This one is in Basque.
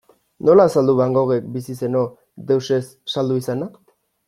Nola azaldu Van Goghek, bizi zeno, deus ez saldu izana?